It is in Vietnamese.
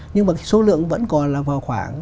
nhưng mà số lượng vẫn còn là vào khoảng